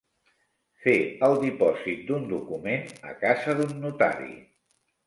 Fer el dipòsit d'un document a casa d'un notari.